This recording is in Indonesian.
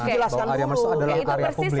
bahwa area masuk adalah area publik